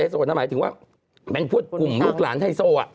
ไฮโซทั้งหมายถึงว่ามันพูดกลุ่มมือกหลานไฮโซ